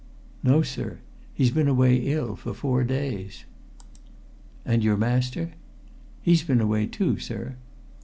"No, sir. He's been away ill for four days." "And your master?" "He's been away too, sir."